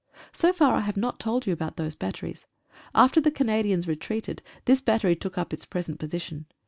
So far T have not told you about those batteries. After the Canadians retreated, this bat tery took up its present position.